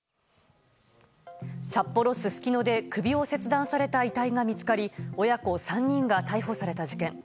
札幌・すすきので首を切断された遺体が見つかり親子３人が逮捕された事件。